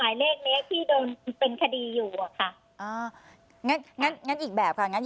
ว่ามีคนมาขึ้นเงินน้ำหมายเลขนี้ที่โดนเป็นคดีอยู่ค่ะ